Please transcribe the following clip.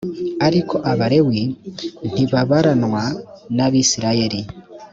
ariko abalewi ntibabaranwa n’ abisirayeli